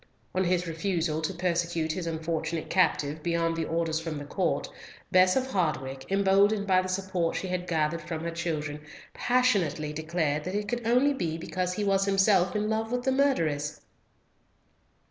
On his refusal to persecute his unfortunate captive beyond the orders from the Court, Bess of Hardwicke, emboldened by the support she had gathered from her children, passionately declared that it could only be because he was himself in love with the murtheress.